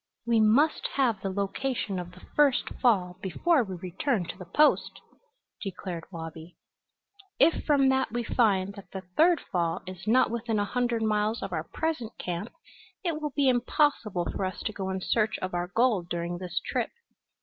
"We must have the location of the first fall before we return to the Post," declared Wabi. "If from that we find that the third fall is not within a hundred miles of our present camp it will be impossible for us to go in search of our gold during this trip.